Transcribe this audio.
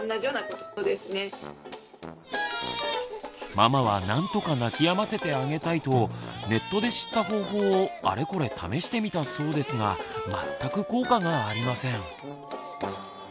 ママは何とか泣きやませてあげたいとネットで知った方法をあれこれ試してみたそうですが全く効果がありません。